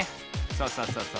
そうそうそうそう。